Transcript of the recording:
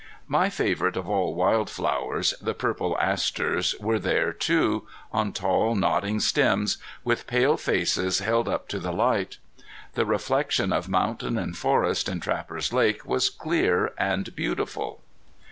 My favorite of all wild flowers the purple asters were there too, on tall nodding stems, with pale faces held up to the light. The reflection of mountain and forest in Trappers Lake was clear and beautiful.